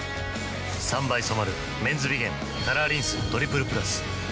３倍染まる「メンズビゲンカラーリンストリプルプラス」